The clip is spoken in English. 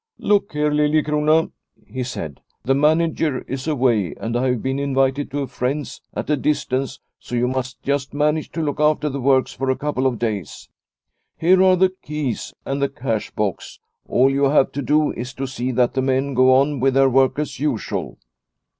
" Look here, Liliecrona," he said, " the manager is away and I have been invited to a friend's at a distance, so you must just manage to look after the works for a couple of days. Here are the keys and the cash box ; all you have to do is to see that the men go on with their work as usual."